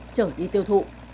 chở đi tiêu thụ